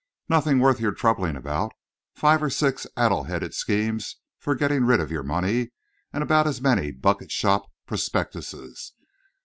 "Nothing worth your troubling about. Five or six addle headed schemes for getting rid of your money, and about as many bucket shop prospectuses."